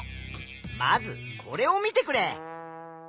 まずこれを見てくれ。